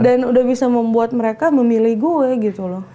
dan udah bisa membuat mereka memilih gue gitu loh